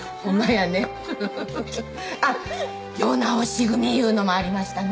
フフフッあっ世直し組いうのもありましたね